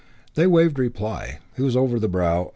They waved reply. He was over the brow.